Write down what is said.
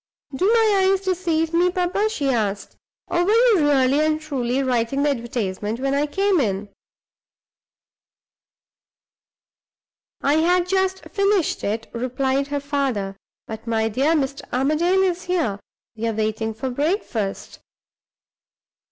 "Do my eyes deceive me, papa?" she asked. "Or were you really and truly writing the advertisement when I came in?" "I had just finished it," replied her father. "But, my dear, Mr. Armadale is here we are waiting for breakfast."